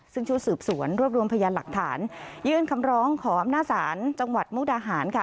ซึ่งชุดสืบสวนรวบรวมพยานหลักฐานยื่นคำร้องขออำนาจศาลจังหวัดมุกดาหารค่ะ